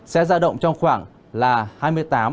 sẽ ra động trong khoảng là hai mươi tám